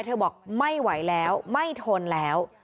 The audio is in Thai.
บอกไม่ไหวแล้วไม่ทนแล้ว